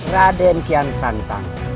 raden kian santan